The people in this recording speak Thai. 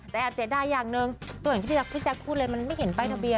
แต่อาร์เจดาอย่างนึงตัวยังที่พี่จักพี่จักพูดเลยมันไม่เห็นใบ่ทะเบียน